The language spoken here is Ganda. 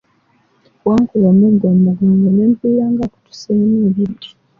Wankuba omuggo mugongo ne mpulira nga akutuseemu ebibiri.